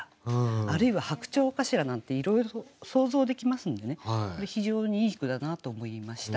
あるいは白鳥かしら？なんていろいろと想像できますので非常にいい句だなと思いました。